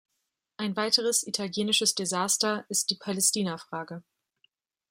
Ein weiteres italienisches Desaster ist die Palästinafrage.